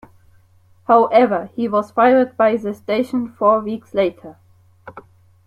However, he was fired by the station four weeks later.